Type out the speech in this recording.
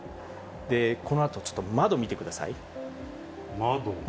このあと、ちょっと窓見てくださ窓？